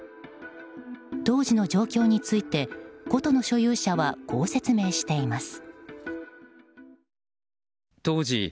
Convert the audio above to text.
当時の状況について琴の所有者はこう説明しています。